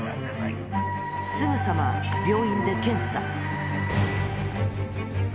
すぐさま、病院で検査。